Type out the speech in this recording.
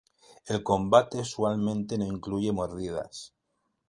El combate usualmente no incluye mordidas..